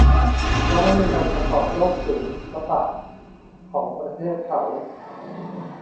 เพราะไม่มีใบประกอบโรคศิลปะของประเทศเขา